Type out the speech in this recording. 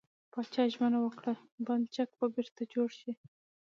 پاچا ژمنه وکړه، بند چک به بېرته جوړ کړي .